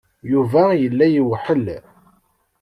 Yuba yella iweḥḥel.